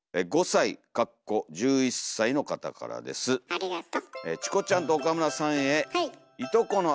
ありがと。